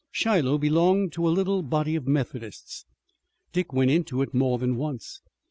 Shiloh belonged to a little body of Methodists. Dick went into it more than once.